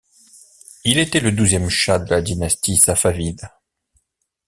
Il était le douzième chah de la dynastie Safavide.